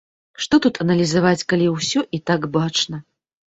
Што тут аналізаваць, калі ўсё і так бачна.